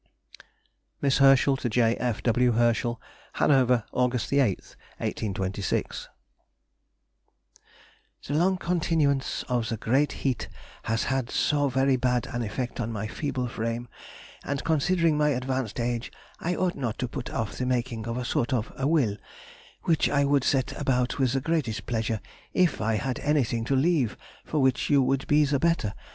MISS HERSCHEL TO J. F. W. HERSCHEL. HANOVER, Aug. 8, 1826. The long continuance of the great heat has had so very bad an effect on my feeble frame; and considering my advanced age, I ought not to put off the making a sort of a will, which I would set about with the greatest pleasure if I had anything to leave for which you would be the better.